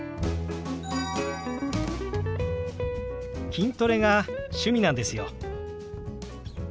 筋トレが趣味なんですよ。